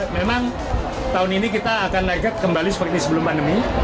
memang tahun ini kita akan naiknya kembali seperti sebelum pandemi